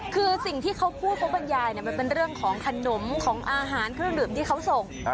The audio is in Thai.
คือสิ่งที่เขาพูดเขาบรรยายมันเป็นเรื่องของขนมของอาหารเครื่องดื่มที่เขาส่ง